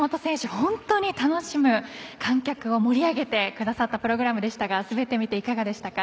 本当に楽しむ観客を盛り上げてくれたプログラムでしたが滑ってみていかがでしたか？